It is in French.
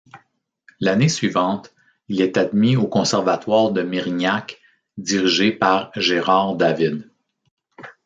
L'année suivante, il est admis au conservatoire de Mérignac dirigé par Gérard David.